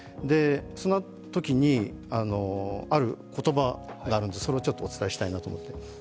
そんなときにある言葉があるんで、それをちょっとお伝えしたいなと思って。